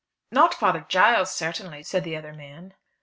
"Not Father Giles certainly," said the other man.